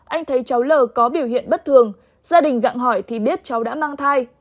anh thấy cháu l có biểu hiện bất thường gia đình gặng hỏi thì biết cháu đã mang thai